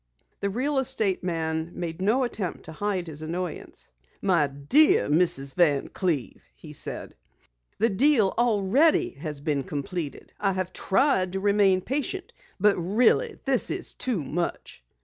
The real estate man made no attempt to hide his annoyance. "My dear Mrs. Van Cleve," he said, "the deal already has been completed. I have tried to remain patient, but really this is too much."